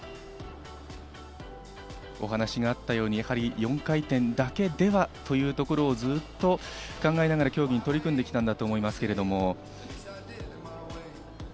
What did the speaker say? お話があったように、４回転だけではというところをずっと考えながら競技に取り組んできたんだと思いますけれども。